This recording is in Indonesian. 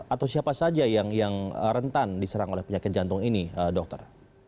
atau siapa saja yang rentan diserang oleh penyakit jantung ini dokter